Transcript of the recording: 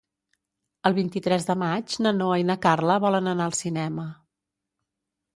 El vint-i-tres de maig na Noa i na Carla volen anar al cinema.